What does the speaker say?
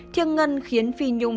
thiên ngân khiến phi nhung